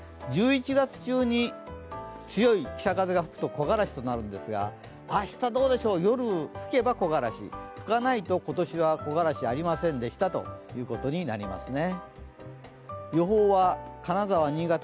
１１月中に強い北風が吹くと木枯らしとなるんですが明日夜、吹けば木枯らし、吹かないと今年は木枯らしありませんでしたということになりますね。